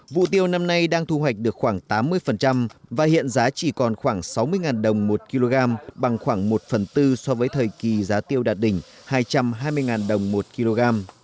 vụ tiêu năm nay đang thu hoạch được khoảng tám mươi và hiện giá chỉ còn khoảng sáu mươi đồng một kg bằng khoảng một phần tư so với thời kỳ giá tiêu đạt đỉnh hai trăm hai mươi đồng một kg